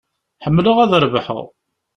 Ḥemmleɣ ad rebḥeɣ.